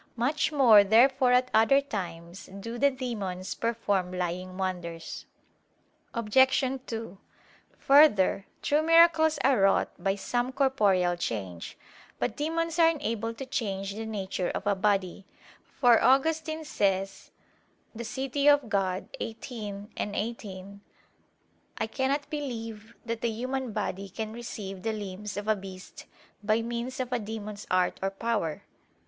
Much more therefore at other times do the demons perform lying wonders. Obj. 2: Further, true miracles are wrought by some corporeal change. But demons are unable to change the nature of a body; for Augustine says (De Civ. Dei xviii, 18): "I cannot believe that the human body can receive the limbs of a beast by means of a demon's art or power."